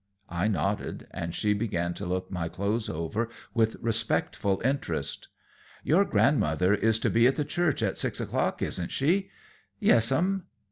I nodded, and she began to look my clothes over with respectful interest. "Your grandmother is to be at the church at six o'clock, isn't she?" "Yes, 'm."